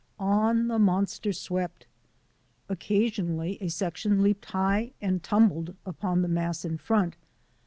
On the monster swept. Occasion ally a section leaped high and tumbled upon the mass in front.